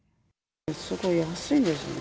すごい安いんですよね。